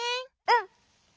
うん！